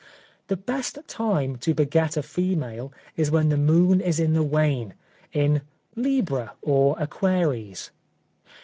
The best time to beget a female is, when the moon is in the wane, in Libra or Aquaries.